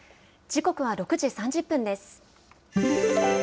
時刻は６時３０分です。